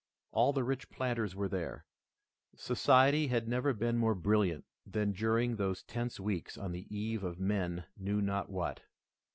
All the rich planters were there. Society had never been more brilliant than during those tense weeks on the eve of men knew not what.